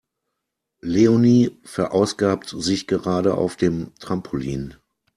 Leonie verausgabt sich gerade auf dem Trampolin.